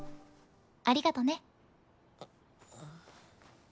ありがとね。